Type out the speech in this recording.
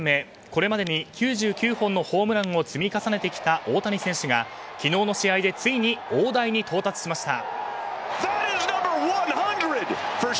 これまでに９９本のホームランを積み重ねてきた大谷選手が昨日の試合でついに大台に到達しました。